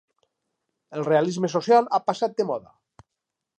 El realisme social ha passat de moda.